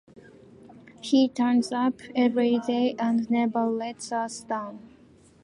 He turns up every day and never lets us down.